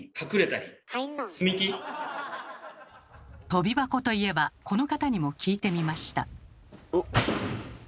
とび箱といえばこの方にも聞いてみました。